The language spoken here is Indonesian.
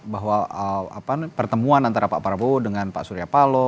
bahwa pertemuan antara pak prabowo dengan pak surya palo